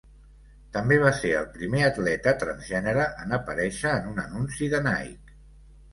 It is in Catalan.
També va ser el primer atleta transgènere en aparèixer en un anunci de Nike.